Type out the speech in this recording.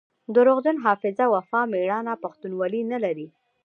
دروغجن حافظه وفا ميړانه پښتونولي نلري